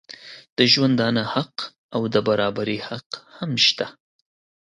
د ژوندانه حق او د برابري حق هم شته.